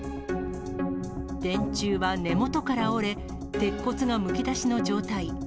電柱は根元から折れ、鉄骨がむき出しの状態。